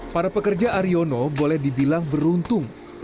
para pekerja ariono boleh dibilang beruntung